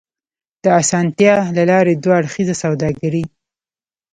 د اسانتيا له لارې دوه اړخیزه سوداګري